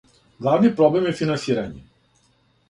Главни проблем је финансирање.